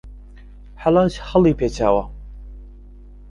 حەلاج هەڵی پێچاوە